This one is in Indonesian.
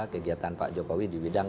kegiatan pak jokowi di bidang